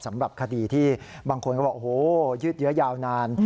สำหรับคดีที่บางคนก็บอกโอ้โหยืดเยอะยาวนาน